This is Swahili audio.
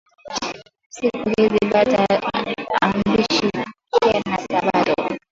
Siku izi batu abashiki tena sabato